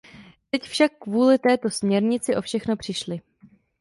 Teď však kvůli této směrnici o všechno přišli.